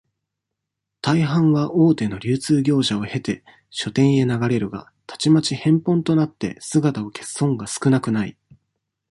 大半は、大手の流通業者をへて、書店へ流れるが、たちまち、返本となって姿を消す本が少なくない。